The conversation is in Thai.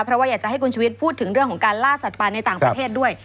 เพราะว่าอยากจะให้คุณชุวิตพูดถึงเรื่องของการล่าสัตว์ป่าในต่างประเทศด้วย